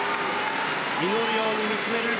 祈るように見つめる。